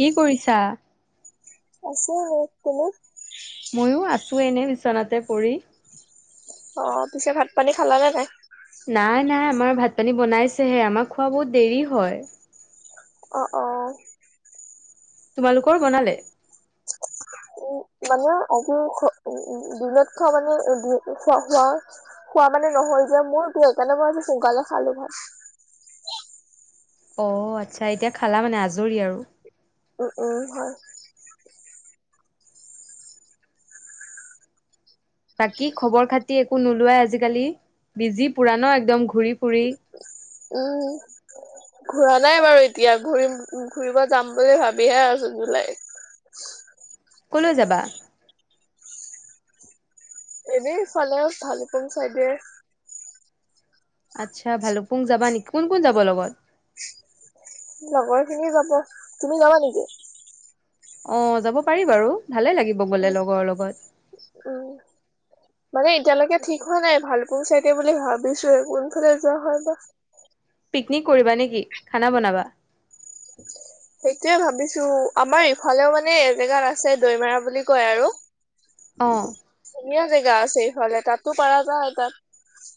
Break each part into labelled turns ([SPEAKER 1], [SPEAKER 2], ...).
[SPEAKER 1] কি কৰিছা
[SPEAKER 2] আছে এনে তুমি
[SPEAKER 1] চোৱেইনে বিচনাতে পৰি
[SPEAKER 2] অ পিছে ভাত পানী খাল নে নাই
[SPEAKER 1] নাই নাই আমাৰ ভাত পানী বনাইছেহে আমাৰ খোৱা বহুত দেৰি হয়
[SPEAKER 2] অ অ
[SPEAKER 1] তোমালোকৰ বনালে
[SPEAKER 2] উ মানে আজি উ দিনত খোৱা মানে খোৱা খোৱা খোৱা মানে নহয় যে মোৰতো সেইকাৰণে মই আজি সোনকালে খালো ভাল
[SPEAKER 1] অ আচ্ছা এতিয়া খালা মানে আজৰি আৰু
[SPEAKER 2] উম উম হয়
[SPEAKER 1] বাকী খবৰ খাতি একো নোলোৱাই আজিকালি বিজি পুৰা ন একদম ঘূৰি ফুৰি
[SPEAKER 2] উম ঘুৰা নাই বাৰু এতিয়া ঘুৰিম ঘুৰিব যাম বুলি ভাবিহে আছো জুলাই [unintelligible]
[SPEAKER 1] কলৈ যাবা
[SPEAKER 2] এনেই ফালে ভলোকং চাইদে
[SPEAKER 1] আচ্ছা ভালুপুং যাবা নেকি কোন কোন যাব লগত
[SPEAKER 2] লগৰ খিনি যাব তুমি যাবা নেকি
[SPEAKER 1] অ যাব পাৰি বাৰু ভালে লাগিব গলে
[SPEAKER 2] উম
[SPEAKER 1] লগৰ লগত
[SPEAKER 2] উম মানে এতিয়ালৈকে ঠিক হোৱা নাই ভালপুং চাইকে বুলি ভাবিছোে কোনফালে যোৱা হয় বা
[SPEAKER 1] পিকনিক কৰিবা নেকি খানা বনাবা
[SPEAKER 2] সেইটোৱে ভাবিছো আমাৰ ইফালেও মানে এজেগাত আছে দৈমৰা বুলি কয় আৰু
[SPEAKER 1] অ'
[SPEAKER 2] ধুনীয়া জেগা আছে ইফালে তাতো পৰাৰা যায় তাত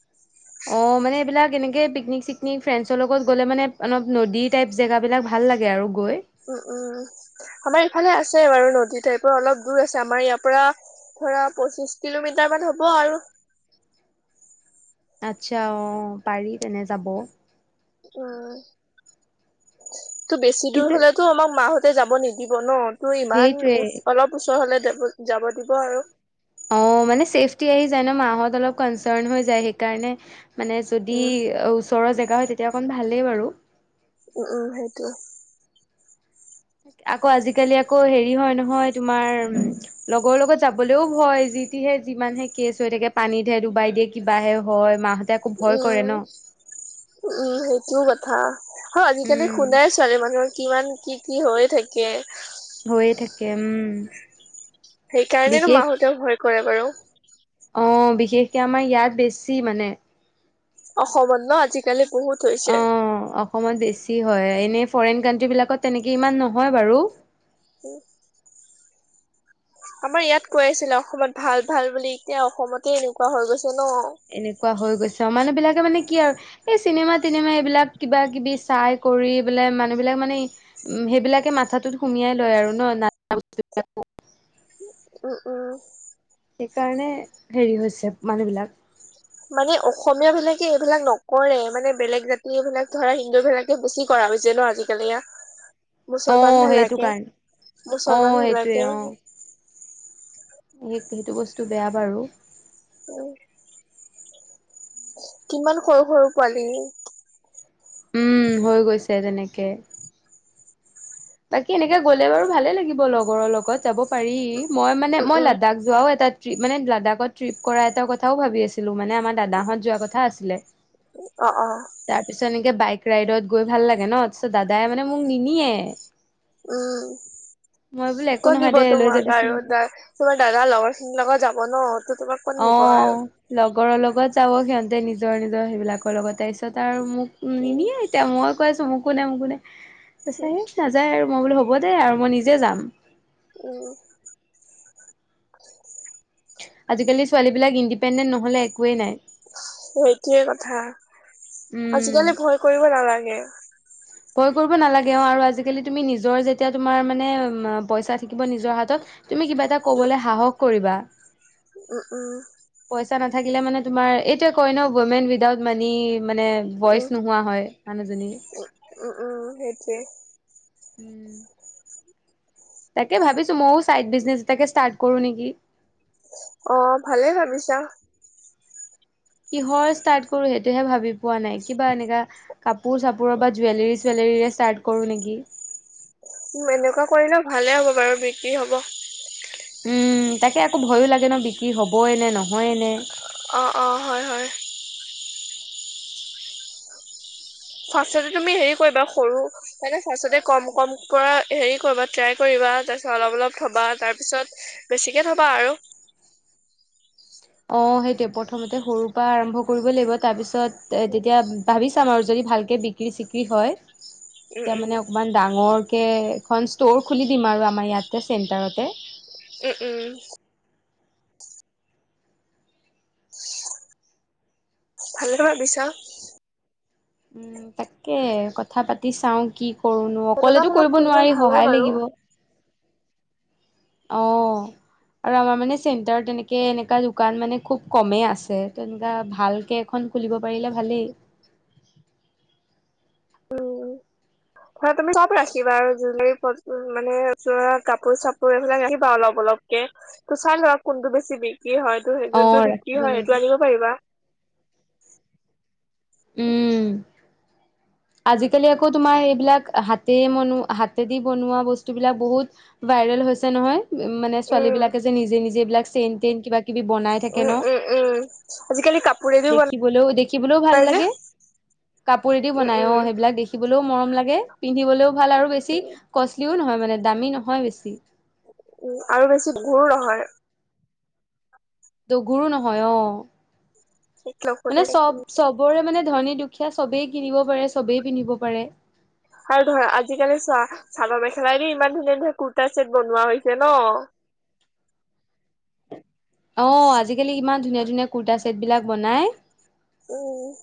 [SPEAKER 1] অ মানে এইবিলাক এনেকে পিকনিক চিকনিক ফ্ৰেণ্ডছৰ লগত গ'লে মানে অলপ নদীৰ টাইপ জেগাব বিলাক ভাল ভাল লাগে আৰু গৈ
[SPEAKER 2] উম উম আমাৰ ইফালে আছে বাৰু নদী টাইপৰ অলপ দূৰ আছে আমাৰ ইয়াৰ পৰা ধৰা পঁচিশ কিলোমিটাৰ মান হ'ব আৰু
[SPEAKER 1] আচ্ছা অ পাৰি তেনে যাব
[SPEAKER 2] উ তো বেছি দূৰ
[SPEAKER 1] কিন্তু
[SPEAKER 2] হলেতো আমাক মাহত ততে যাব নিদিব ন তোৰ
[SPEAKER 1] সেইটোৱে
[SPEAKER 2] ইমানচ অলপ ওচৰ হলে যাব যাব দিব আৰু
[SPEAKER 1] অ মানে চেফটি আহি যায় ন মাহত অলপ কনচাৰ্ণ হৈ যায় সেইকাৰণে মানে যদি
[SPEAKER 2] উম
[SPEAKER 1] ওচৰৰ জেগা হয় তেতিয়া অকন ভালেই বাৰু
[SPEAKER 2] উম উম সেইটোে
[SPEAKER 1] আকৌ আজিকালি আকৌ হেৰি হয় নহয় তোমাৰ লগৰ লগত যাবলেও ভয় যি তেতিহে যিমান হে কেছ হৈ থাকে পানীতহে ডুবাই দিয়ে কিবাহে হয় মাহ একো ভয় কৰে
[SPEAKER 2] উম
[SPEAKER 1] ন
[SPEAKER 2] উম সেইটোও কথা অ আজিকালি
[SPEAKER 1] উম,
[SPEAKER 2] শুনাই ছোৱালী মানুহৰ কিমান কি কি হৈ থাকে
[SPEAKER 1] হৈয়ে থাকে উম
[SPEAKER 2] সেইকাৰণো
[SPEAKER 1] বিশেষ
[SPEAKER 2] মাহোতে ভয় কৰে বাৰু
[SPEAKER 1] অ বিশেষকে আমাৰ ইয়াত বেছি মানে
[SPEAKER 2] অসমত ন আজিকালি বহুত
[SPEAKER 1] অ
[SPEAKER 2] হৈছে
[SPEAKER 1] অসমত বেছি হয় এনে ফৰেইন কাণ্ট্ৰ্ৰী বিলাকত তেনেকে ইমান নহয় বাৰু
[SPEAKER 2] অ আমাৰ ইয়াত কৈ আছিলে অসমত ভাল ভাল বুলি এতিয়া অসমতে এনেকুৱা হৈ গৈছে ন।
[SPEAKER 1] এনেকুৱা হৈ গৈছে অ মানে বিলাকে মানে কি আৰু এই চিনেমা তিনেমা এইবিলাক কিবা কিবি চাই কৰি বোলে মানুহ বিিলাক মানে উম সেইবিলাকে মাথাটোত সুমিয়াই লয় আৰু ন নস্তুাক
[SPEAKER 2] উম উম
[SPEAKER 1] সেইকাৰণে হেৰি হৈছে মানুহবিলাক
[SPEAKER 2] মানে অসমীয়া বিলাকে এইবিলাক নকৰে মানে বেলেগ জাতি এই বিলাক ধৰা হিন্দু বিলাকে বেছি কৰা ভাবিছে ন আজিকালি ই
[SPEAKER 1] অ
[SPEAKER 2] মুছলমান
[SPEAKER 1] সেইটো
[SPEAKER 2] ভালকে
[SPEAKER 1] কাৰণে অ
[SPEAKER 2] মুছলমান
[SPEAKER 1] সেইটোৱে
[SPEAKER 2] ভালকে
[SPEAKER 1] অ সেইটো বস্তু বেয়া বাৰু
[SPEAKER 2] উ কিমান সৰু সৰু পোৱালি
[SPEAKER 1] উম হৈ গৈছে তেনেকে বাকী এনেকে গ'লে বাৰু ভালে লাগিব লগৰৰ লগত যাব পাৰি মই মানে
[SPEAKER 2] উম
[SPEAKER 1] মই
[SPEAKER 2] উম
[SPEAKER 1] লাডাখ যোৱাও এটাাত ্ৰপ মানে দাদাকত ট্ৰিপ কৰা এটা কথাও ভাবি আছিলো মানে আমাৰ দাদাহঁত যোৱা কথা আছিলে
[SPEAKER 2] অ অ
[SPEAKER 1] ে বাইক ৰাইডত গৈ ভাল লাগে ন ত দাদাই মানে মোক নিনিয়ে মই
[SPEAKER 2] আহ
[SPEAKER 1] বোলে একো
[SPEAKER 2] ক
[SPEAKER 1] নহয়
[SPEAKER 2] দিব
[SPEAKER 1] দে লৈ
[SPEAKER 2] তোমাক
[SPEAKER 1] যাবিচোন
[SPEAKER 2] আৰু দ তোমাৰ দাদাৰ লগৰখিনিৰ লগত যাব নো তোমাক ক'ত
[SPEAKER 1] অ
[SPEAKER 2] নিব আৰু
[SPEAKER 1] লগৰৰ লগত যাব সিহতে নিজৰ নিজৰ সেইবিলাকৰ লগত তাৰপিছত আৰু মোক
[SPEAKER 2] উম
[SPEAKER 1] নিনিয়ে এতি মই কছো মোকো নাই মোকো নাই ত
[SPEAKER 2] উম
[SPEAKER 1] স নাযায় আৰু মই বোলো হ'ব দেেই আৰু মই নিজে যাম
[SPEAKER 2] উম
[SPEAKER 1] আজিকালি ছোৱালীবিলাক ইণ্ডিপেণ্ডেণ্ট নহ'লে একোৱেই নাই
[SPEAKER 2] সেইটোোৱে কথা
[SPEAKER 1] উম
[SPEAKER 2] আজিকালি ভয় কৰিব নালাগে
[SPEAKER 1] ভয় কৰিব নালাগে আৰু আজিকালি তুমি নিজৰ যেতিয়া তোমাৰ মানে পইচা থাকিব নিজৰ হাতত তুমি কিবা এটা কবলৈ সাহস কৰিবা
[SPEAKER 2] অঁ অঁ
[SPEAKER 1] পইচা নাথাকিলে মানে তোমাৰ এইটোোৱে কয় ন ইমেন উইদাউট মানি মানে ভইচ
[SPEAKER 2] উম
[SPEAKER 1] নোহোৱা হয় মানজননিী
[SPEAKER 2] অ সেইটোৱ
[SPEAKER 1] উম তাকে ভাবিছো মইও চাইড বিজনেছ এটাকে ষ্টাৰ্ট কৰো নেকি
[SPEAKER 2] অ ভালে ভাবিছা
[SPEAKER 1] কিহৰ ষ্টাৰ্ট কৰো সেইটোহে ভাবি পোৱা নাই কিবা এনেকাা কাপোৰ চাপোৰৰ বা জুৱেলৰ চুৱেলৰ কৰো নেকি
[SPEAKER 2] এনেকুৱা কৰিলেও ভালে হ'ব বাৰু বিক্ৰী হব
[SPEAKER 1] উম তাকে আকৌ ভয়ো লাগে ন বিক্ৰী হবই নে নহয় নে
[SPEAKER 2] অঁ অঁ হয় হয় ফাৰ্ষ তুমি হে কৰিবা সৰু ম ফাৰ কম ক হে কৰিবা ট্ৰাই কৰিবা া তাৰত অলপ অলপ থবা তাৰপিছত বেছিকে থবা আৰু [inaudible]
[SPEAKER 1] অ সেইটোৱে প্ৰথমতে সৰু পৰা আৰম্ভ কৰিবই লাগিব তাৰ পিছত এ তেতিয়া ভাবি চাম আৰু যদি ভাল বিক্ৰী চিক্ৰী হয়
[SPEAKER 2] উম
[SPEAKER 1] তেতিয়া
[SPEAKER 2] উম
[SPEAKER 1] মানে অকমান ডাঙৰ এখন ষ্টৰ খুলি দিম আৰু আমাৰ ইয়াতে চেন্টাৰতে
[SPEAKER 2] উম উম ভালে পৰা বিছা
[SPEAKER 1] উম তাকে কথা পাতি চাও কি কৰো নো
[SPEAKER 2] তেনেকুৱা
[SPEAKER 1] অকলেতো
[SPEAKER 2] বিলাক
[SPEAKER 1] কৰিব
[SPEAKER 2] খুলিলে
[SPEAKER 1] নোৱাৰি
[SPEAKER 2] ভালে
[SPEAKER 1] সহায়
[SPEAKER 2] বাৰু
[SPEAKER 1] লাগিব আহ আৰু আমাৰ মানে চেণ্টাৰ তেনেকে এনেককা দোকান মানে খুব কমে আছে তেনেকুৱা ভালকে এখন খুলিব পাৰিলে ভালেই
[SPEAKER 2] [inaudible] উম ৰা তুমি চাপ ৰাখিবা আৰু জুলী প মানে চৰা কাপোৰ চাপোৰ এইবিলাক ৰাখিবা অলপ অলপকে ত চাই ল কোনটো বেছি বিক্ৰী হয় ত
[SPEAKER 1] অ
[SPEAKER 2] যোনটো বিক্ৰী
[SPEAKER 1] ৰাখিব
[SPEAKER 2] হয় সেইটো
[SPEAKER 1] লাগিব
[SPEAKER 2] আনিব পাৰিবা
[SPEAKER 1] উম
[SPEAKER 2] [inaudible]
[SPEAKER 1] আজিকালি আকৌ তোমাৰ সেইবিলাক হাতে বন হাতে দি বনোৱা বস্তুবিলাক বহুত ব হৈছে নহয় উ মানে ছোৱালী
[SPEAKER 2] উম,
[SPEAKER 1] বিলাকে যে নিজে নিজে এইবিলাক চেইন েইন কিবা কিবি বনাই থাকে
[SPEAKER 2] উম,
[SPEAKER 1] ন
[SPEAKER 2] উম, উম, আজিকালি কাপোৰেদি
[SPEAKER 1] দেখিবলৈও দেখিবলৈও ভাল
[SPEAKER 2] বনাই
[SPEAKER 1] লাগে
[SPEAKER 2] যে
[SPEAKER 1] কাপদি
[SPEAKER 2] উম,
[SPEAKER 1] বনাই অ
[SPEAKER 2] উম,
[SPEAKER 1] সেইবিলাক লেও মৰম লাগে পিন্ধিবলেও ভাল আৰু বেছি কষ্টলিও নহয় মানে দামী নহয় বেছি
[SPEAKER 2] উ আৰু বেছি ভুৰ নহয়
[SPEAKER 1] দগুৰো নহয় অ মানে চব চবৰে মানে ধনী দুখীয়া চবেই কিনিব পাৰে চবেই পিন্ধিব পাৰে
[SPEAKER 2] আৰু ধৰা আজিকালি চোৱা চাদৰ মেখেলাইৰে ইমান ধুনীয়া ধুনীয়া কুুৰ্তা চেট বনোৱা হৈছে ন [inaudible]
[SPEAKER 1] অ আজিকালি ইমান ধুনীয়া ধুনীয়া কুুৰ্তা চছেট বিলাক বনাই
[SPEAKER 2] উম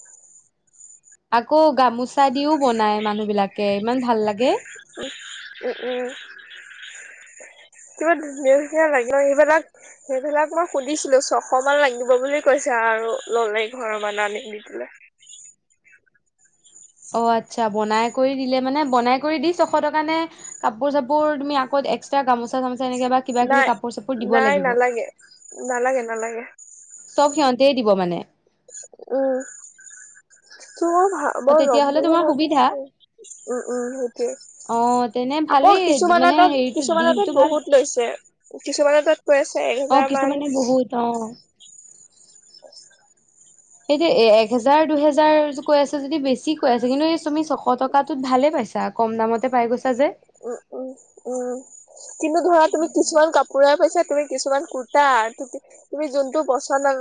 [SPEAKER 1] আকৌ গামোচা দিও বনাই মানুহ বিলাকে ইমান ভাল লাগে
[SPEAKER 2] উ উ উ কিবা ধুনীয়া ধুনীয়া লাগে সেইবিলাক সেইবিলাক মই সুধিছিলো ছশ মান লাগিব বুলি কৈছে া আৰু ল'লেই ঘৰৰ মানে আনি দি পাই
[SPEAKER 1] অ আচ্ছা বনাই কৰি দিলে মানে বনাই কৰি দি ছশ টকা নে কাপোৰ চাপোৰ তুমি আকৌ এক্স্ৰ গামচা গাম নেকে বা কিবা কিবি
[SPEAKER 2] নাই
[SPEAKER 1] কাপোৰ চাপোৰ দিব
[SPEAKER 2] নাই
[SPEAKER 1] লাগিব
[SPEAKER 2] নালাগে নালাগে নালাগে
[SPEAKER 1] চব সিহঁতে দিব মানে
[SPEAKER 2] উম ত মই ভ
[SPEAKER 1] অ
[SPEAKER 2] মই ৰম
[SPEAKER 1] তেতিয়াহ'লে
[SPEAKER 2] বুলি
[SPEAKER 1] তোমাৰ সুবিধা।
[SPEAKER 2] ভাবিছো উম উম সেইটোৱে
[SPEAKER 1] অ তেনে
[SPEAKER 2] আকৌ
[SPEAKER 1] ভালেই
[SPEAKER 2] কিছুমান
[SPEAKER 1] মানে
[SPEAKER 2] ত
[SPEAKER 1] হেৰিটো
[SPEAKER 2] কিছুমান ত
[SPEAKER 1] দিনটো ভাল
[SPEAKER 2] বহুত
[SPEAKER 1] দিছে।
[SPEAKER 2] লৈছে কিছুমান ত ৈ আছে
[SPEAKER 1] অ
[SPEAKER 2] এজাৰ মান
[SPEAKER 1] কিছুমানে বহুত অ।
[SPEAKER 2] আ
[SPEAKER 1] এইটো এ এক হেজাৰ দুহেজাৰ কৈ আছে যদি বেছি কৈ আছে কিন্তু এই তুমি ছশ টকাাতত ভাল পা কম দামতে পাই গৈ
[SPEAKER 2] উম উম উম কিন্তু ধৰা তুমি কিছুমান কাপোই পাইছা তুমি কিছুমান কুৰ্তা তুমি যোনটো পচন্দ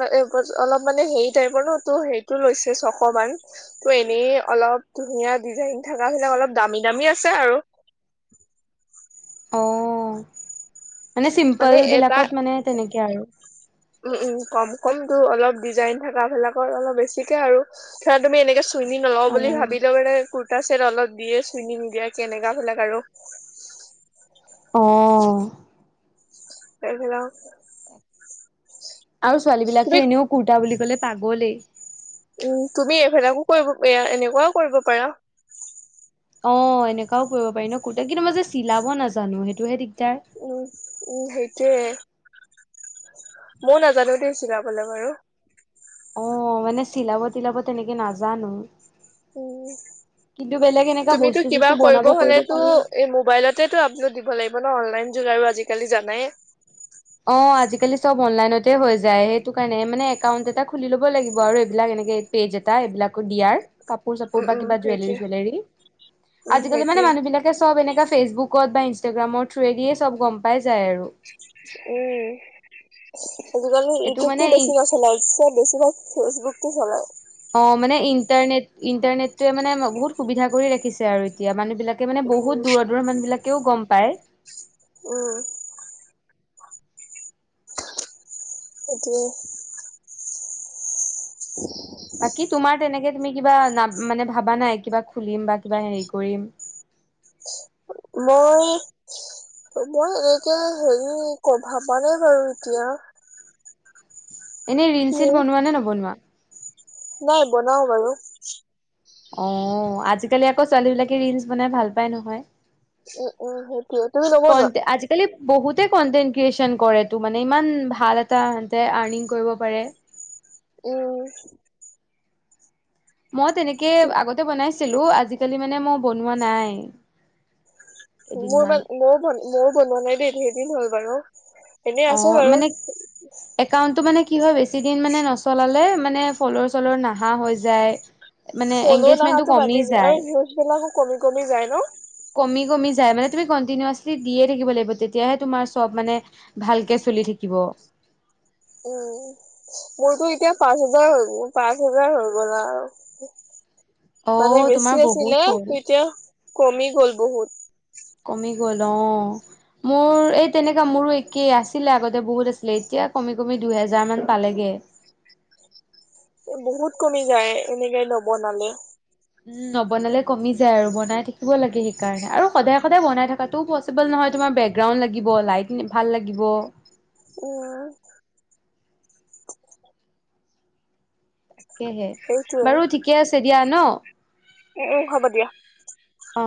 [SPEAKER 2] অলপ মানে হেৰি টাইপৰ ন সেইটো লৈছে ছকান ত' এনেই অলপ ধুনীয়া ডিজাইন থকা বিিলাক অলপ দামী দামী ঠ আছে আৰু
[SPEAKER 1] অঁ মানে চিম্পল বিলাকত মানে তেনেকে আৰু
[SPEAKER 2] উম, উম, কম কমটো অলপ ডিজাইন থকা বিিলাকৰ অলপ বেছিকে আৰু ধৰা তুমি এনেকে চুইনী নলও
[SPEAKER 1] অ
[SPEAKER 2] বুলি ভাবিলো মানে ক ত তাৰ চত অলপ দিয়ে চিন নি দিয়া কেনেকাা বিলাক আৰু
[SPEAKER 1] আহ
[SPEAKER 2] পফেলা
[SPEAKER 1] আৰু ছোৱালী বিলাকতো এনেও কুৰ্তা বুলি কলে পাগলেই
[SPEAKER 2] উম তুমি এইবিলাকো কৰিব এয়া এনেকুৱাও কৰিব পাৰা
[SPEAKER 1] অ এনেককাাও কৰিব পাৰি ন কুৰ্ত কিন্তু মই যে চিলাব নাজানো সেইটোহে দিদ
[SPEAKER 2] উম উম সেইটোোৱে ময় নাজানো দ চিলাবলে বাৰু
[SPEAKER 1] অ মানে চিলাব তিলাব তেনেকে নাজানো
[SPEAKER 2] উম
[SPEAKER 1] কিন্তু বেলেগ এনেকা
[SPEAKER 2] তুমিতটো
[SPEAKER 1] বস্তু
[SPEAKER 2] কিবা
[SPEAKER 1] চস্তু
[SPEAKER 2] কৰিব
[SPEAKER 1] বনাব
[SPEAKER 2] হলেতটো
[SPEAKER 1] পাৰো
[SPEAKER 2] এই মোবাইলতেতটো আপলোড দিব লাগিব হ ন অনলাইন যুগ আৰু আজিকালি জানাই
[SPEAKER 1] অ আজিকালি চব অনলাইনতে হৈ যায় সেইটো কাৰণে মানে একাউণ্ট এটা খুলি ল'ব লাগিব আৰু এইবিলাক এনেকে পেজ এটা এইবিলাকো দিয়াৰ কাপোৰ চাপোৰ
[SPEAKER 2] উম
[SPEAKER 1] বা
[SPEAKER 2] উম
[SPEAKER 1] কিবা জুৱেলৰী
[SPEAKER 2] সেইটোৱে
[SPEAKER 1] চেলৰী
[SPEAKER 2] উম
[SPEAKER 1] আজিকালি মানে
[SPEAKER 2] সেইটোৱে
[SPEAKER 1] মানুহ বিিলাকে চব এনে ফেচবুকত বা ইনষ্টাগ্ৰামৰ থ্ৰুৱে দিয়েই চব গম পাই যায় আৰু
[SPEAKER 2] উম আজিকালি
[SPEAKER 1] এইটো
[SPEAKER 2] ইউটিউব বছি
[SPEAKER 1] মানে
[SPEAKER 2] না চলাই উছে বছিভাগ ফেচবুক চলায়
[SPEAKER 1] অ মানে ইণ্টাৰনেট ইণ্টাৰনেটটোৱে মানে বহুত সুবিধা কৰি ৰাখিছে আৰু এতিয়া মানুহ বিিলাক ে মানে
[SPEAKER 2] উম
[SPEAKER 1] বহুত দূৰ দৰৰ মানুহ বিলাকেও গম পায়
[SPEAKER 2] উম এটোয়া উ
[SPEAKER 1] বাকী তোমাৰ তেনেকে তুমি কিবা না মানে ভাবা নাই কিবা খুলিম বা কিবা হেৰি কৰিম
[SPEAKER 2] মই ত মই এনেকে হেৰি ক ভাবা নে বাৰু এতিয়া
[SPEAKER 1] এনেই ৰিল চল
[SPEAKER 2] উম
[SPEAKER 1] বনোৱা নে নবনোৱা
[SPEAKER 2] নাই বনাও বাৰু
[SPEAKER 1] অ আজিকালি আকৌ ছোৱালী বিিলাকে ৰিলচ বনাই ভাল পাই নহয়
[SPEAKER 2] উম উম সেইটো তুমি কব যোৱা
[SPEAKER 1] কনটে আজিকালি বহুতে কনটেন্ট ক্ৰিয়েচন কৰে তটো মানে ইমান ভাল এটা সতে আৰ্নিং কৰিব পাৰে
[SPEAKER 2] উম
[SPEAKER 1] মই তেনেকে আগতে বনাইছিলো আজিকালি মানে মই বনোৱা নাই
[SPEAKER 2] মোৰ
[SPEAKER 1] কেইদিনমান
[SPEAKER 2] মান মইন মইো বনোৱা নাই দেই সেইদিন হ'ল বাৰু এনেই
[SPEAKER 1] অ
[SPEAKER 2] আছো বাৰু
[SPEAKER 1] মানে একাউন্টটো মানে কি কি হয় বেছি দিন মানে নচলালে মানে ফলৰ চলৰ নাহা হৈ যায় মানে
[SPEAKER 2] ফলো
[SPEAKER 1] এগেজমেন্টো
[SPEAKER 2] নাহাতো
[SPEAKER 1] কমি
[SPEAKER 2] বাদেই দিয়া আৰু
[SPEAKER 1] যায়
[SPEAKER 2] ভিউজ বিলাকো কমি কমি যায় ন।
[SPEAKER 1] কমি যায় মানে তুমি কণ্টিনিচলি দিয়ে থাকিব লাগিব তেতিয়াহে তোমাৰ চব মানে ভালকে চলি থাকিব
[SPEAKER 2] উম মোৰতো এতিয়া পাঁচ হোজাৰ হৈ পাঁচ হোজাৰ হৈ গ'লা আৰু
[SPEAKER 1] অ'
[SPEAKER 2] মানে
[SPEAKER 1] তোমাৰ
[SPEAKER 2] বেছি
[SPEAKER 1] বহুত
[SPEAKER 2] আছিলে
[SPEAKER 1] হ'ল
[SPEAKER 2] এতিয়া কমি গ'ল বহুত
[SPEAKER 1] কমি গ'ল অ মোৰ এই তেনেককা মোৰো একেই আছিলে আগতে বহুত আছিলে এতিয়া কমি কমি দুই হেজাৰ মান পালেগে [inaudible]
[SPEAKER 2] বহুত কমি যায় এনেকে লব নালে
[SPEAKER 1] উম নবনালে কমি যায় আৰু বনাই থাকিব লাগে সেইকাৰণে আৰু সদায় সদায় বনাই থকাটো পচিবল নহয় তোমাৰ বেকগ্ৰাউণ্ড লাগিব লাইট ভাল লাগিব
[SPEAKER 2] উ
[SPEAKER 1] তাকেহে
[SPEAKER 2] সেইটোৱে
[SPEAKER 1] বাৰু ঠিকে আছে দিয়া ন
[SPEAKER 2] উম উম হ'ব দিয়া
[SPEAKER 1] অ